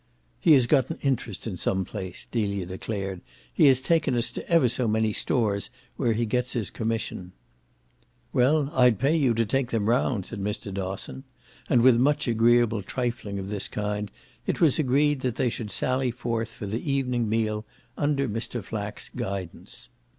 "He has got an interest in some place," Delia declared. "He has taken us to ever so many stores where he gets his commission." "Well, I'd pay you to take them round," said Mr. Dosson; and with much agreeable trifling of this kind it was agreed that they should sally forth for the evening meal under Mr. Flack's guidance.